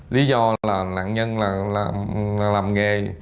lý do là nạn nhân làm nghề